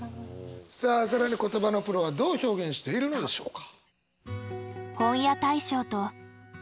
さあ更に言葉のプロはどう表現しているのでしょうか？